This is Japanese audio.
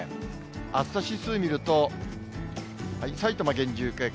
暑さ指数見ると、埼玉、厳重警戒。